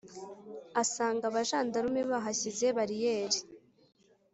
asanga abajandarume bahashyize bariyeri,